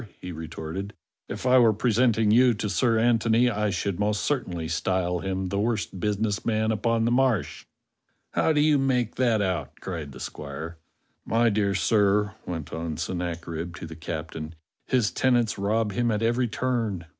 he retorted, "if I were presenting you to Sir Antony I should most certainly style him the worst business man upon the Marsh." "How do you make that out?" cried the squire. "My dear sir," went on Sennacherib to the captain, "his tenants rob him at every turn.